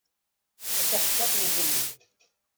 A taḥeccaḍt n ubrid.